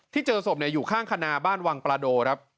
ที่เจอศพอยู่ข้างคนนาบ้านวังปราโด